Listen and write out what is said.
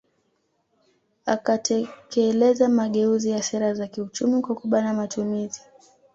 Akatekeleza mageuzi ya sera za kiuchumi kwa kubana matumizi